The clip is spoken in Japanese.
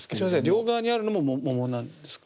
両側にあるのも桃なんですか？